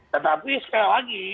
tetapi sekali lagi